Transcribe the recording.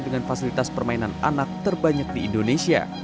dengan fasilitas permainan anak terbanyak di indonesia